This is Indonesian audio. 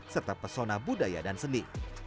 serta pesona budaya dan seni